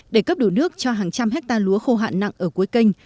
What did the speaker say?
để cấp đủ nước cho hàng trăm hectare lúa khô hạn nặng ở cuối kênh